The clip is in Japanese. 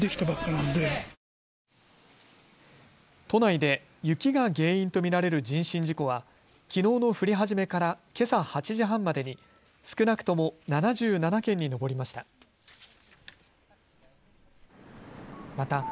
都内で雪が原因と見られる人身事故はきのうの降り始めからけさ８時半までに少なくとも７７件に上りました。